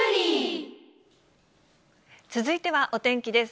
続いてはお天気です。